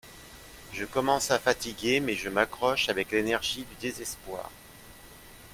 Je commence à fatiguer mais je m'accroche avec l'énergie du désespoir